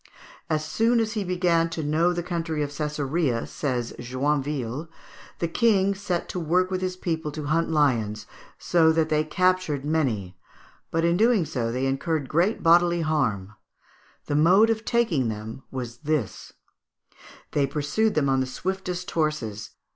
"As soon as he began to know the country of Cesarea," says Joinville, "the King set to work with his people to hunt lions, so that they captured many; but in doing so they incurred great bodily danger. The mode of taking them was this: They pursued them on the swiftest horses.